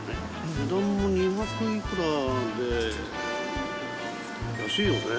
値段も２００いくらで、安いよね。